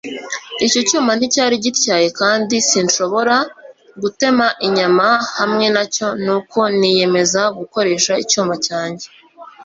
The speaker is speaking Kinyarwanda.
Icyo cyuma nticyari gityaye kandi sinshobora gutema inyama hamwe nacyo nuko niyemeza gukoresha icyuma cyanjye